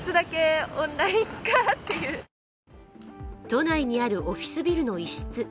都内にあるオフィスビルの一室。